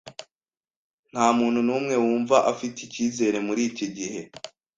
Nta muntu numwe wumva afite icyizere muri iki gihe.